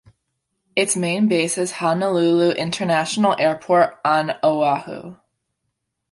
Its main base is Honolulu International Airport on Oahu.